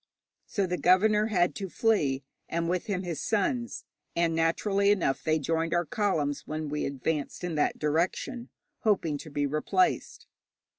So the governor had to flee, and with him his sons, and naturally enough they joined our columns when we advanced in that direction, hoping to be replaced.